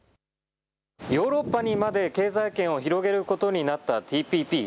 ヨーロッパにまで経済圏を広げることになったＴＰＰ。